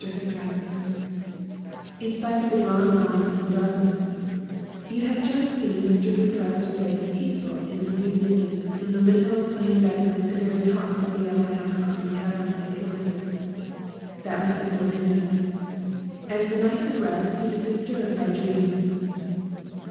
HOOPDRIVER In spite of the drawn blinds and the darkness, you have just seen Mr. Hoopdriver's face peaceful in its beauty sleep in the little, plain bedroom at the very top of the Yellow Hammer Coffee Tavern at Guildford. That was before midnight. As the night progressed he was disturbed by dreams.